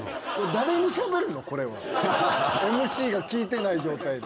ＭＣが聞いてない状態で。